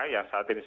yang saat ini sebut